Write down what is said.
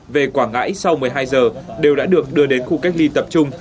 về quảng ngãi sau một mươi hai giờ đều đã được đưa đến khu cách ly tập trung